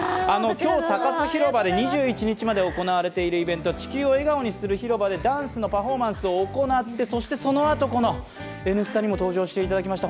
今日サカス広場で２１日まで行われているイベント地球を笑顔にする広場でダンスのパフォーマンスを行ってそしてそのあと、この「Ｎスタ」にも登場していただきました